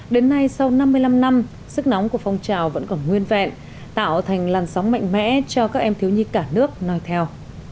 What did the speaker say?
đến nay sau năm mươi năm năm sức nóng của phong trào vẫn còn nguyên vẹn tạo thành làn sóng mạnh mẽ cho các em thiếu nhi cả nước nói theo